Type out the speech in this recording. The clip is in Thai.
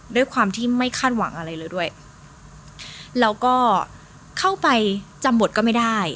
ด้วยความที่ไม่คาดหวังอะไรเลยด้วยแล้วก็เข้าไปจำบทก็ไม่ได้